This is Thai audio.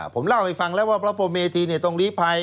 ผมเล่าให้ฟังแล้วว่าพพเมธีตรงรีภัย